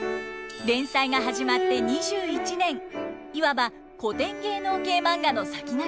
連載が始まって２１年いわば古典芸能系マンガの先駆けです。